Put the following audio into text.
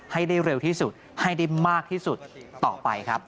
ให้ได้เร็วที่สุดให้ได้มากที่สุดต่อไปครับ